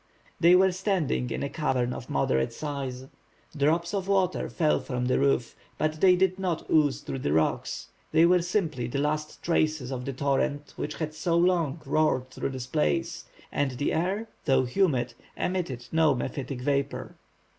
They were standing in a cavern of moderate size. Drops of water fell from the roof, but they did not ooze through the rocks, they were simply the last traces of the torrent which had so long roared through this place, and the air, though humid, emitted no mephitic vapor.